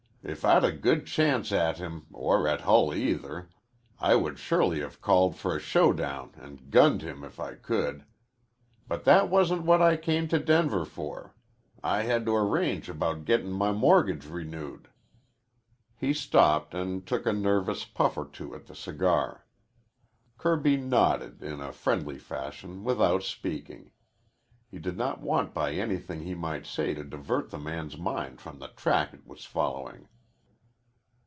If I'd got a good chance at him, or at Hull either, I would surely have called for a showdown an' gunned him if I could. But that wasn't what I came to Denver for. I had to arrange about gettin' my mortgage renewed." He stopped and took a nervous puff or two at the cigar. Kirby nodded in a friendly fashion without speaking. He did not want by anything he might say to divert the man's mind from the track it was following.